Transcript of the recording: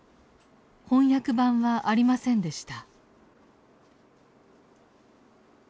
翻訳版はありませんでした。